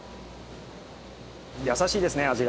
優しいですね味が。